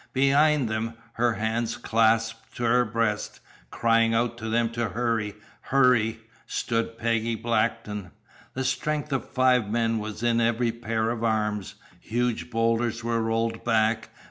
Behind them, her hands clasped to her breast crying out to them to hurry, hurry stood Peggy Blackton. The strength of five men was in every pair of arms. Huge boulders were rolled back.